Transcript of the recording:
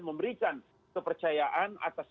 memberikan kepercayaan atas